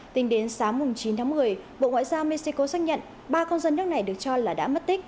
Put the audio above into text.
tính đến sáng chín tháng một mươi bộ ngoại giao mexico xác nhận ba công dân nước này được cho là đã mất tích